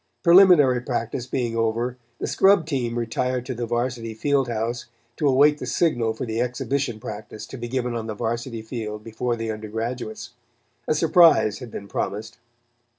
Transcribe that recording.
Preliminary practice being over, the scrub team retired to the Varsity field house, to await the signal for the exhibition practice to be given on the Varsity field before the undergraduates. A surprise had been promised.